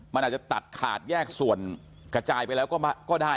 มันอาจจะตัดขาดแยกส่วนกระจายไปแล้วก็ได้